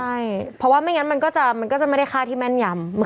ใช่เพราะว่าไม่งั้นมันก็จะไม่ได้ฆ่าที่แม่นยำ